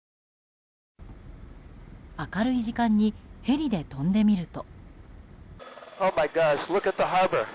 明るい時間にヘリで飛んでみると。